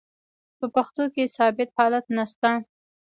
په پښتو کښي ثابت حالت نسته.